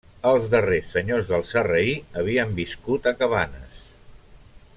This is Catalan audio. Els darrers senyors del Sarraí havien viscut a Cabanes.